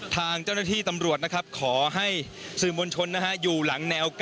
ทางเจ้าหน้าที่ตำรวจนะครับขอให้สื่อมวลชนนะฮะ